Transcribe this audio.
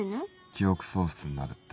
記憶喪失になるって？